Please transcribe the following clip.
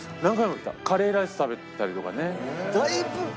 カレーライス食べてたりとかね。